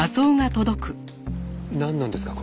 なんなんですか？